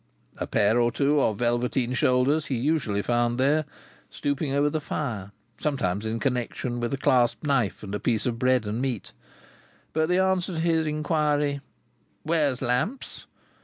A pair or two of velveteen shoulders he usually found there, stooping over the fire, sometimes in connexion with a clasped knife and a piece of bread and meat; but the answer to his inquiry, "Where's Lamps?"